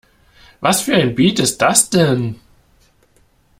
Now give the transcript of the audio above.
Was für ein Beat ist das denn?